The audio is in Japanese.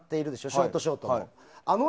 ショートショートの。